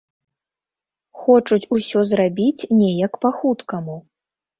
Хочуць усё зрабіць неяк па хуткаму.